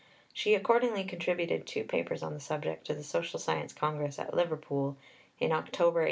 She accordingly contributed two Papers on the subject to the Social Science Congress at Liverpool in October 1858.